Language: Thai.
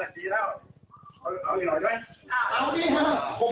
ไปได้เลยผมไม่ออกอ่ะนี่วัดหลงกระโวนี่วัดหลงกระโว